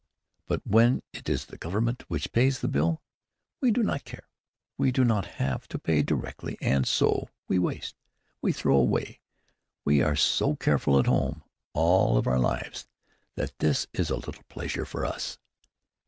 But when it is the Government which pays the bill, we do not care. We do not have to pay directly and so we waste, we throw away. We are so careful at home, all of our lives, that this is a little pleasure for us."